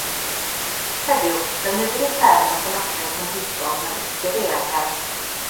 Heddiw, defnyddir y term mathemateg gymhwysol mewn ystyr eang iawn.